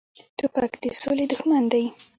توپک د سولې دښمن دی.